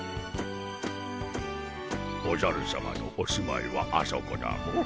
おじゃるさまのお住まいはあそこだモ。